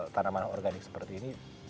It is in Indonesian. tanaman organik seperti ini